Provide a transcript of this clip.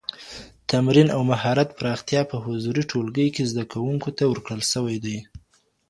تمرین او مهارت پراختيا په حضوري ټولګي کي زده کوونکو ته ورکړل سوي دي.